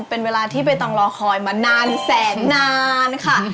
เป็นเวลาที่ใบตองรอคอยมานานแสนนานค่ะ